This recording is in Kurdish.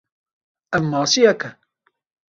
Ev masiyek e.